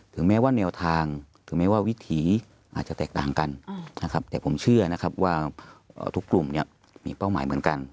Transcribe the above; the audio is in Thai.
แม้ว่าแนวทางถึงแม้ว่าวิถีอาจจะแตกต่างกันนะครับแต่ผมเชื่อนะครับว่าทุกกลุ่มเนี่ยมีเป้าหมายเหมือนกัน